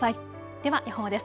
では予報です。